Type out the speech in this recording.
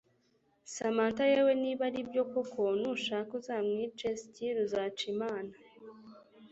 Samantha yewe niba aribyo koko nushake uzamwice syiii ruzaca Imana